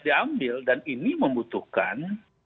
diambil dan ini membutuhkan